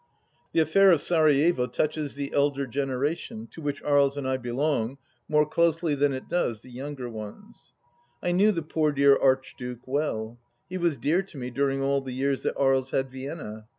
The affair of Sarajevo touches the elder generation, to which Aries and I belong, more closely than it does the younger ones. I knew the poor dear Archduke well : he was dear to me during all the years that Aries had Vienna.